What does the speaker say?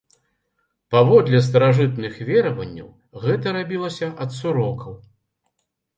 Паводле старажытных вераванняў, гэта рабілася ад сурокаў.